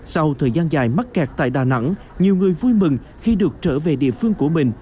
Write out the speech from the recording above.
sau thời gian dài mắc kẹt tại đà nẵng nhiều người vui mừng khi được trở về địa phương của mình